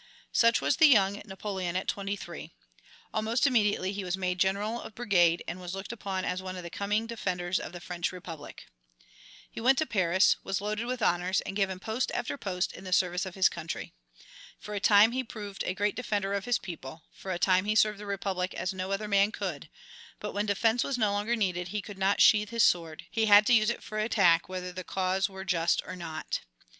Such was the young Napoleon at twenty three. Almost immediately he was made general of brigade, and was looked upon as one of the coming defenders of the French Republic. He went to Paris, was loaded with honors, and given post after post in the service of his country. For a time he proved a great defender of his people, for a time he served the Republic as no other man could; but when defense was no longer needed he could not sheathe his sword, he had to use it for attack whether the cause were just or not.